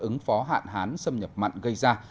ứng phó hạn hán xâm nhập mặn gây ra